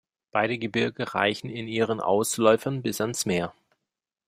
Beide Gebirge reichen in ihren Ausläufern bis ans Meer.